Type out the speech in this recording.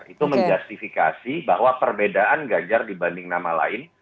itu menjustifikasi bahwa perbedaan ganjar dibanding nama lain